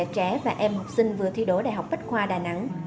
trẻ trẻ và em học sinh vừa thi đổi đại học bách khoa đà nẵng